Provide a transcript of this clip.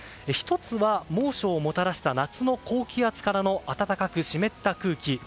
１つは猛暑をもたらした夏の高気圧からの暖かく湿った空気。